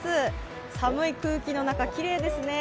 寒い空気の中、きれいですね。